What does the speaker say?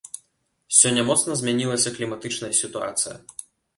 Сёння моцна змянілася кліматычная сітуацыя.